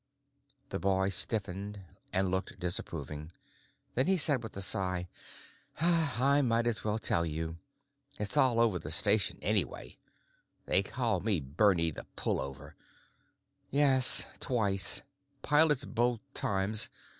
The boy stiffened and looked disapproving. Then he said with a sigh: "I might as well tell you. It's all over the station anyway; they call me 'Bernie the Pullover.' Yes. Twice. Pilots both times.